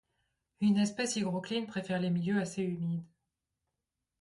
Une espèce hygrocline préfère les milieux assez humides.